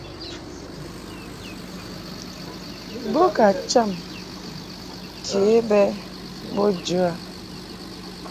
Bo bə cham ke bɛ bo jə a.